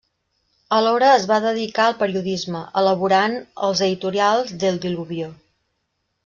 Alhora es va dedicar al periodisme, elaborant els editorials d'El Diluvio.